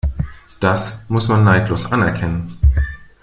Das muss man neidlos anerkennen.